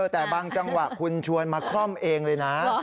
แต่บางจังหวะคุณชวนมาคล่อมเองเลยนะ